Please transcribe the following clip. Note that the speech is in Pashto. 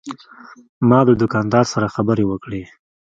ما د دوکاندار سره خبرې وکړې.